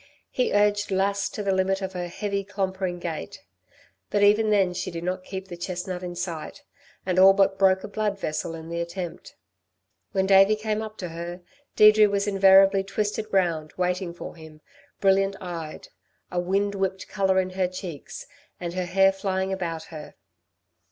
He urged Lass to the limit of her heavy, clompering gait; but even then she did not keep the chestnut in sight, and all but broke a blood vessel in the attempt. When Davey came up to her, Deirdre was invariably twisted round, waiting for him, brilliant eyed, a wind whipped colour in her cheeks, and her hair flying about her.